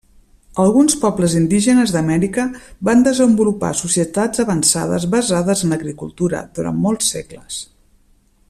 Alguns pobles indígenes d'Amèrica van desenvolupar societats avançades basades en l'agricultura, durant molts segles.